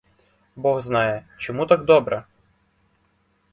Бог знає, чому так добре!